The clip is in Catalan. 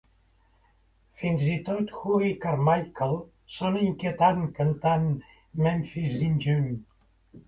Fins i tot Hoagy Carmichael sona inquietant cantant Memphis in June.